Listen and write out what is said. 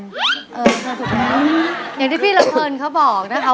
ตรงที่พี่ลำเพลินเขาบอกนะ